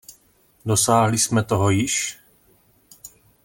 Dosáhli jsme toho již?